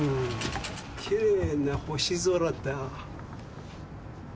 きれいな星空だ。